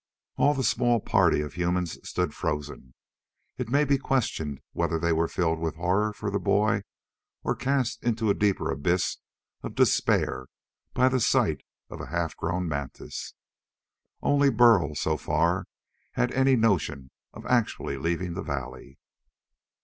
All the small party of humans stood frozen. It may be questioned whether they were filled with horror for the boy, or cast into a deeper abyss of despair by the sight of a half grown mantis. Only Burl, so far, had any notion of actually leaving the valley.